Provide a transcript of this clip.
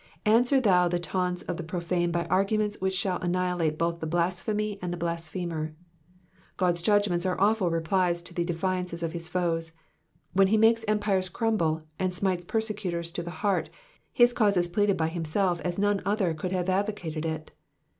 '*'* Answer thou the taunts of the Crofane by arguments which shall annihilate both the blasphemy and the lasphemer. God^s judgments are awful replies to the defiances of bis foes. When he makes empires crumble, and smites persecutors to the heart, his cause is pleaded by himself as none other could have advocated it.